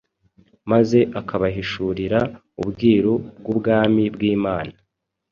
maze akabahishurira ubwiru bw’Ubwami bw’Imana.